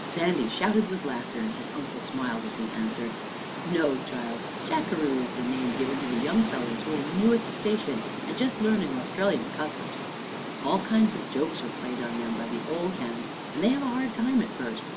Sandy shouted with laughter and his uncle smiled as he answered, " No, child, jackaroo is the name given to the young fellows who are new at the station and just learning Australian customs. All kinds of jokes are played on them by the old hands and they have a hard time at first.